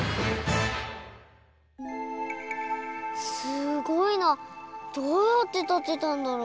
すごいなどうやってたてたんだろう。